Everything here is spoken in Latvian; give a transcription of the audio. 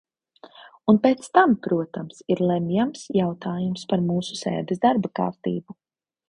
Un pēc tam, protams, ir lemjams jautājums par mūsu sēdes darba kārtību.